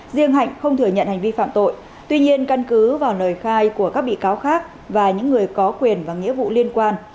riêng hạnh không thừa nhận hành vi phạm tội tuy nhiên căn cứ vào lời khai của các bị cáo khác và những người có quyền và nghĩa vụ liên quan